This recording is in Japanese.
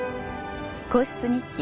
『皇室日記』